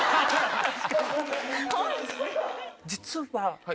実は。